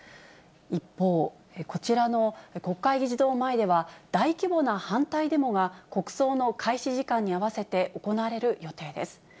一方、こちらの国会議事堂前では、大規模な反対デモが、国葬の開始時間に合わせて行われる予定です。